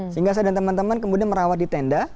sehingga saya dan teman teman kemudian merawat di tenda